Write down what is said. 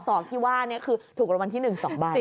อ๋อสองพี่ว่าเนี่ยคือถูกราวรรณที่อย่างหนึ่งสองใบ